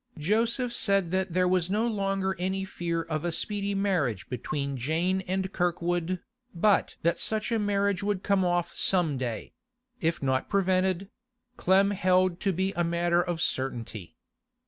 Joseph said that there was no longer any fear of a speedy marriage between Jane and Kirkwood, but that such a marriage would come off some day,—if not prevented—Clem held to be a matter of certainty.